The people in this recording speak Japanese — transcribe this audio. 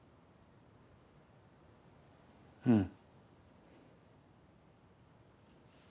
うん。